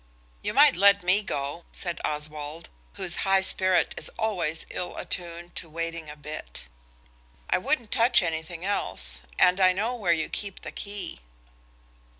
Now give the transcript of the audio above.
"You might let me go," said Oswald, whose high spirit is always ill attuned to waiting a bit. "I wouldn't touch anything else, and I know where you keep the key."